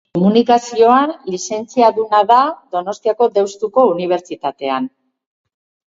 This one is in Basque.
Komunikazioan lizentziaduna da Donostiako Deustuko Unibertsitatean.